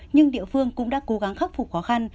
nhưng địa phương cũng đã cố gắng khắc phục khó khăn